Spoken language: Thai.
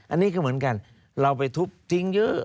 อันนี้ก็เหมือนกันเราไปทุบทิ้งเยอะ